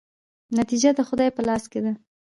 نتیجه د خدای په لاس کې ده؟